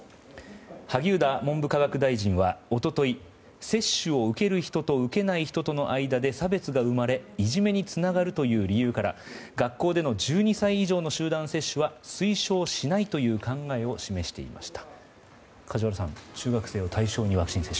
萩生田文部科学大臣は一昨日、接種を受ける人と受けない人との間で差別が生まれいじめにつながるという理由から学校での１２歳以上の集団接種は推奨しないという考えを示していました。